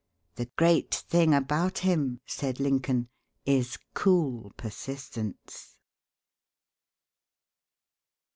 "The great thing about him," said Lincoln, "is cool persistence."